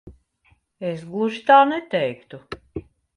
Es gluži tā neteiktu.